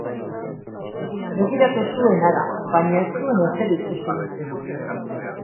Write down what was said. Begiratu zuen hara, baina ez zuen ezer ikusi.